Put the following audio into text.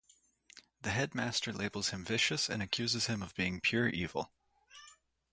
The headmaster labels him vicious and accuses him of being pure evil.